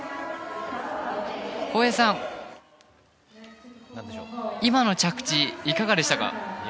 航平さん、今の着地いかがでしたか？